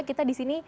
kita di sini